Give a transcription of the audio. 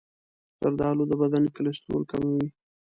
زردآلو د بدن کلسترول کموي.